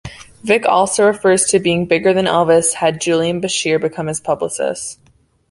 Vic also refers to being "bigger than Elvis" had Julian Bashir become his publicist.